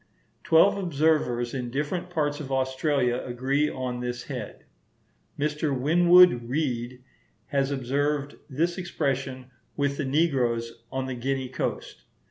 Twelve observers in different parts of Australia agree on this head. Mr. Winwood Reade has observed this expression with the negroes on the Guinea coast.